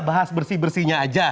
bahas bersih bersihnya aja